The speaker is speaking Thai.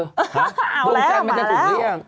อ๋อแล้วมาแล้วดวงจันทร์มันจะถึงหรือยัง